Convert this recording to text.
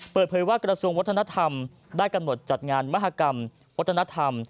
เปิดเผยว่ากระทรวงวัฒนธรรมได้กำหนดจัดงานมหากรรมวัฒนธรรม